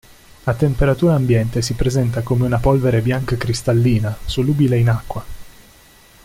A temperatura ambiente si presenta come una polvere bianca cristallina, solubile in acqua.